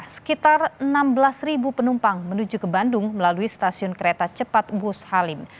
sekitar enam belas penumpang menuju ke bandung melalui stasiun kereta cepat bus halim